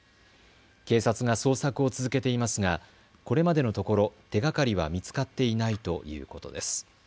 警察が捜索を続けていますがこれまでのところ手がかりは見つかっていないということです。